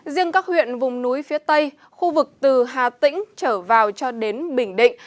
riêng các huyện vùng núi phía tây khu vực từ hà tĩnh trở vào cho đến bình định